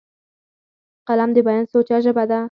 قلم د بیان سوچه ژبه ده